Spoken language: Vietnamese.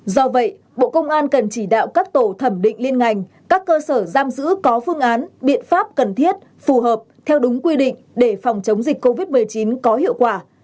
do vậy bộ công an cần chỉ đạo các tổ thẩm định liên ngành các cơ sở giam giữ có phương án biện pháp cần thiết phù hợp theo đúng quy định để phòng chống dịch covid một mươi chín có hiệu quả